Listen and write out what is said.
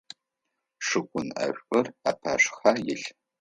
Шкъун ӏэшӏур апашъхьэ илъ.